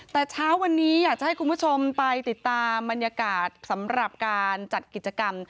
แต่เช้าวันนี้อยากจะให้คุณผู้ชมไปติดตามบรรยากาศสำหรับการจัดกิจกรรม